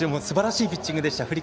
すばらしいピッチングでした。